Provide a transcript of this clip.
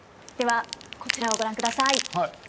ではこちらをご覧ください。